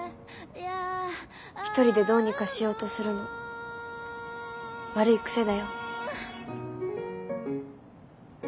一人でどうにかしようとするの悪い癖だよ。